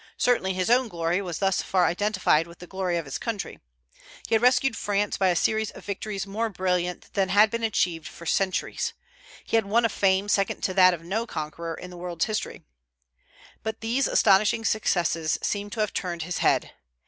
Certainly his own glory was thus far identified with the glory of his country. He had rescued France by a series of victories more brilliant than had been achieved for centuries. He had won a fame second to that of no conqueror in the world's history. But these astonishing successes seem to have turned his head.